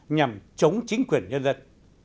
nhằm chống chính quyền nhân dân